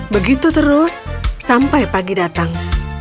begitu terus sampai pagi datang